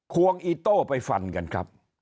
วงอีโต้ไปฟันกันครับ